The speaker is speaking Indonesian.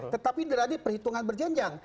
tetapi dari perhitungan berjenjang